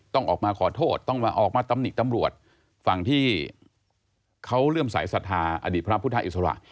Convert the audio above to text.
ต้องออกมาขอโทษต้องมาออกมาตำหนิตำรวจฝั่งที่เขาเลื่อมสายศรัทธาอดีตพระพุทธอิสระ